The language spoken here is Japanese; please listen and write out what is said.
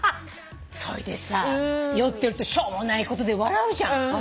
それでさ酔ってるとしょうもないことで笑うじゃん。